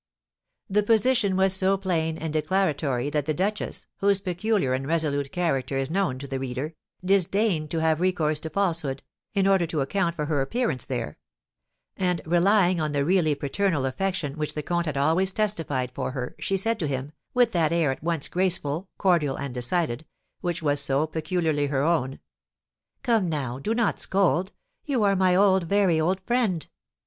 The position was so plain and declaratory that the duchess, whose peculiar and resolute character is known to the reader, disdained to have recourse to falsehood, in order to account for her appearance there; and, relying on the really paternal affection which the comte had always testified for her, she said to him, with that air at once graceful, cordial, and decided, which was so peculiarly her own: "Come, now, do not scold; you are my old, very old friend.